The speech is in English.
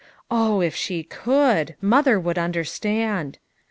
Oh, if she could! mother would understand.